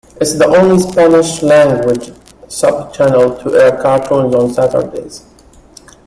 It's the only Spanish-language subchannel to air cartoons on Saturdays.